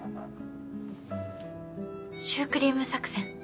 シュークリーム作戦